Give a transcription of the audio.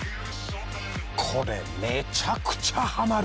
これめちゃくちゃハマる。